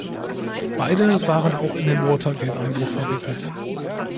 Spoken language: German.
Beide waren auch in den Watergate-Einbruch verwickelt.